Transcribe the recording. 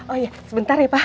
oh iya sebentar ya pak